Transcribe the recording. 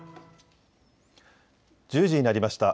１０時になりました。